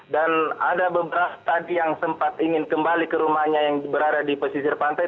dan ada beberapa tadi yang sempat ingin kembali ke rumahnya yang berada di pesisir pantai